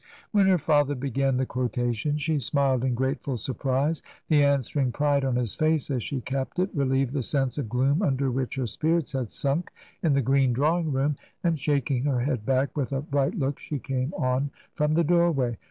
When her father began the quotation she smiled in grateful surprise ; the answering pride on his &ce as she capped it relieved the sense of gloom under which her spirits had sunk in the green drawing room, and, shaking her head back, with a bright look she came on from the doorway.